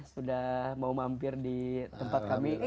sudah mau mampir di tempat kami